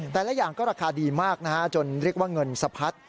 แต่ละอย่างก็ราคาดีมากนะฮะจนเรียกว่าเงินสะพัด